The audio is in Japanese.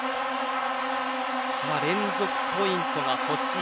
連続ポイントが欲しい。